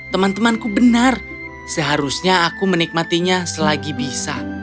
teman temanku benar seharusnya aku menikmatinya selagi bisa